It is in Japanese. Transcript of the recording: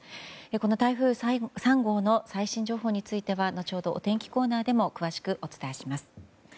この台風３号の最新情報については後ほど、お天気コーナーでも詳しくお伝えします。